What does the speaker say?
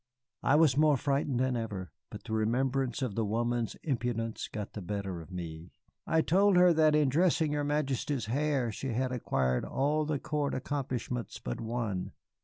"I was more frightened than ever, but the remembrance of the woman's impudence got the better of me. "'I told her that in dressing your Majesty's hair she had acquired all the court accomplishments but one.